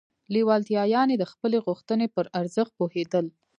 لېوالتیا يانې د خپلې غوښتنې پر ارزښت پوهېدل.